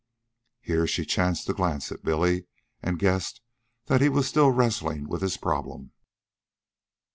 Here she chanced to glance at Billy, and guessed that he was still wrestling with his problem.